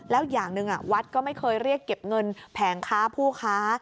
แล้วอย่างหนึ่งวัดก็ไม่เคยเรียกเก็บเงินแผงค้าผู้ค้า